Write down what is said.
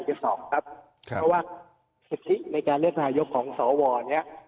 เพราะว่าสิทธิในการเลือกนายกของสวเนี่ย